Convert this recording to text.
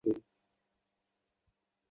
আমাদের বানর থেকে মানুষে বিবর্তিত হতে।